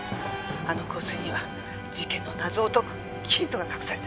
あの香水には事件の謎を解くヒントが隠されてる。